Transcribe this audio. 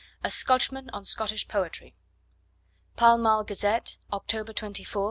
A SCOTCHMAN ON SCOTTISH POETRY (Pall Mall Gazette, October 24, 1887.)